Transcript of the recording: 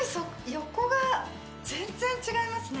横が全然違いますね